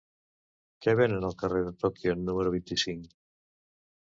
Què venen al carrer de Tòquio número vint-i-cinc?